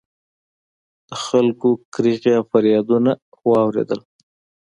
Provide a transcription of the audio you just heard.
د خلکو کریغې او فریادونه واورېدل